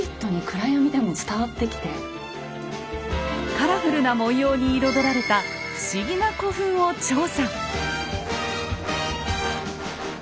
カラフルな文様に彩られた不思議な古墳を調査。